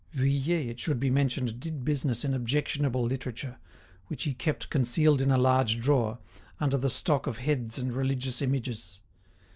Vuillet, it should be mentioned, did business in objectionable literature, which he kept concealed in a large drawer, under the stock of heads and religious images.